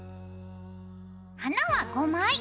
花は５枚。